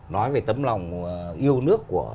nói về tấm lòng yêu nước của